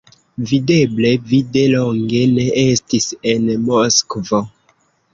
Videble, vi de longe ne estis en Moskvo.